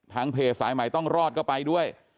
เพจสายใหม่ต้องรอดก็ไปด้วย